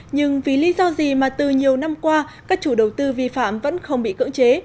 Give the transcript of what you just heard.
nhưng vì lý do gì mà từ nhiều năm qua các chủ đầu tư vi phạm vẫn không bị cưỡng chế